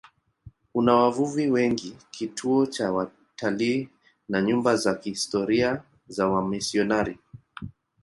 Una wavuvi wengi, kituo cha watalii na nyumba za kihistoria za wamisionari.